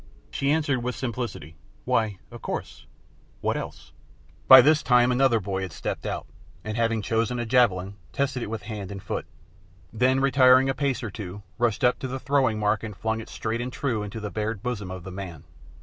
She answered with simplicity, "Why, of course what else?" By this time another boy had stepped out, and having chosen a javelin, tested it with hand and foot, then retiring a pace or two rushed up to the throwing mark and flung it straight and true into the bared bosom of the man.